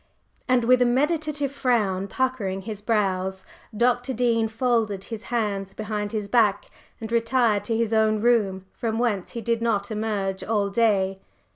And with a meditative frown puckering his brows, Dr. Dean folded his hands behind his back and retired to his own room, from whence he did not emerge all day.